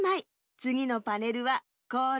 つぎのパネルはこれ！